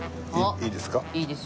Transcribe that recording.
いいですよ。